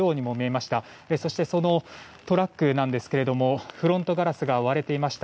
そして、トラックなんですがフロントガラスが割れていました。